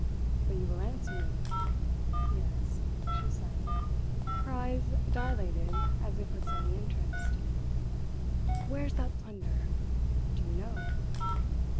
"But you will answer me?" "Yes," she said, her eyes dilated as if with sudden interest. "Where's that plunder? Do you know?"